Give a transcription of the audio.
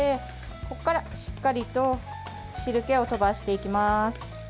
ここからしっかりと汁けをとばしていきます。